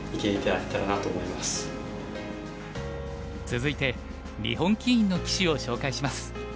続いて日本棋院の棋士を紹介します。